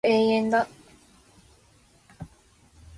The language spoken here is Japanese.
新しい靴を買った。